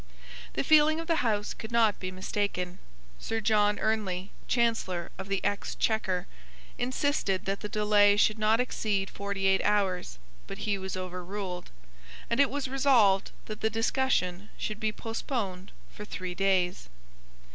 The feeling of the House could not be mistaken. Sir John Ernley, Chancellor of the Exchequer, insisted that the delay should not exceed forty eight hours; but he was overruled; and it was resolved that the discussion should be postponed for three days.